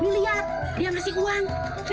lihat dia ngasih uang